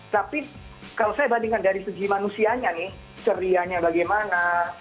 tapi kalau saya bandingkan dari segi manusianya nih cerianya bagaimana